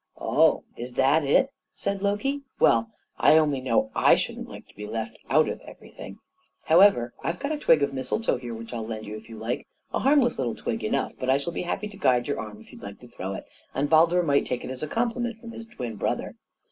"Oh! is that it?" said Loki. Well, I only know I shouldn't like to be left out of everything. However, I've got a twig of mistletoe here which I'll lend you if you like; a harmless little twig enough, but I shall be happy to guide your arm if you would like to throw it, and Baldur might take it as a compliment from his twin brother."